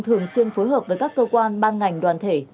thường xuyên phối hợp với các cơ quan ban ngành đoàn thể